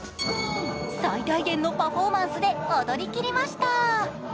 最大限のパフォーマンスで踊りきりました。